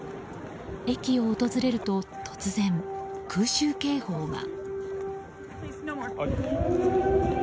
駅を訪れると突然、空襲警報が。